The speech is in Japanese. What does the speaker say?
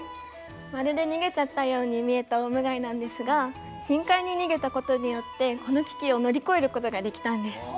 まるで逃げちゃったように見えたオウムガイなんですが深海に逃げたことによってこの危機を乗り越えることができたんです。